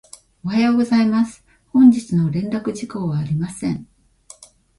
おはようございます。本日の連絡事項はありません。